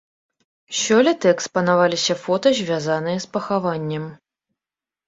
Сёлета экспанаваліся фота, звязаныя з пахаваннем.